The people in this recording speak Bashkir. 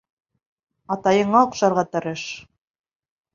Атайыңа оҡшарға тырыш...